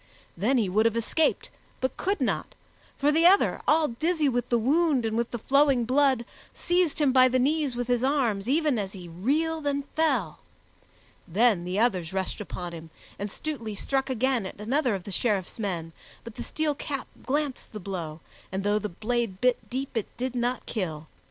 Then he would have escaped, but could not, for the other, all dizzy with the wound and with the flowing blood, seized him by the knees with his arms even as he reeled and fell. Then the others rushed upon him, and Stutely struck again at another of the Sheriff's men, but the steel cap glanced the blow, and though the blade bit deep, it did not kill.